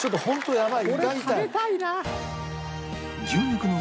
やばい。